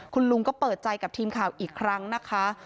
คุณลุงก็เปิดใจกับทีมข่าวอีกครั้งนะคะ